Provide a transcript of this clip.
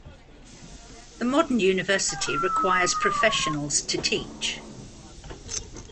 The modern university requires professionals to teach.